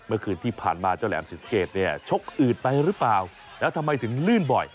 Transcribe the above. เมื่อคืนที่ผ่านมาเจ้าแหลมศรีสะเกดเนี่ยชกอืดไปหรือเปล่าแล้วทำไมถึงลื่นบ่อย